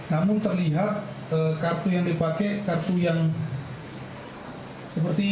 namun terlihat kartu yang dipakai kartu yang seperti